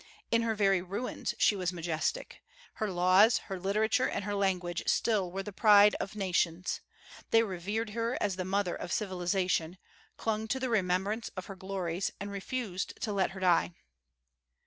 In her very ruins she was majestic. Her laws, her literature, and her language still were the pride of nations; they revered her as the mother of civilization, clung to the remembrance of her glories, and refused to let her die.